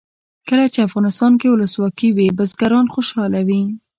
کله چې افغانستان کې ولسواکي وي بزګران خوشحاله وي.